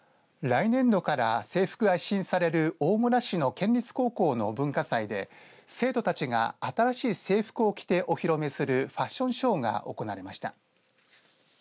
来年度から制服が一新される大村市の県立高校の文化祭で生徒たちが新しい制服を着てお披露目するファッションショーが行われました。